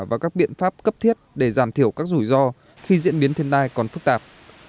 và các biện pháp cấp thiết để giảm thiểu các rủi ro khi diễn biến thiên tai còn phức tạp